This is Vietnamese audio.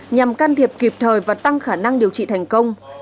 nhằm can thiệp kịp thời và tăng khả năng điều trị thành công